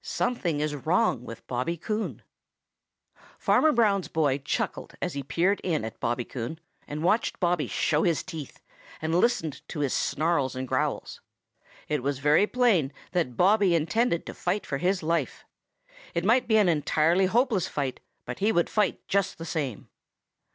SOMETHING IS WRONG WITH BOBBY COON |FARMER BROWN'S boy chuckled as he peered in at Bobby Coon, and watched Bobby show his teeth, and listened to his snarls and growls. It was very plain that Bobby intended to fight for his life. It might be an entirely hopeless fight, but he would fight just the same.